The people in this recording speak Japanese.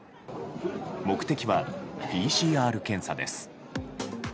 目的はＰＣＲ検査です。